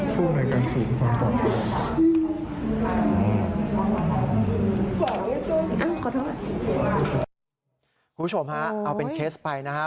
คุณผู้ชมฮะเอาเป็นเคสไปนะครับ